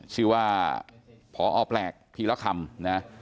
ชื่อว่าพอแปลกทีละคำนะ